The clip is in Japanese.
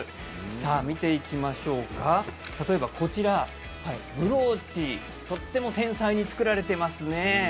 見ていきましょう、例えばこちらブローチ、とても繊細に作られていますね。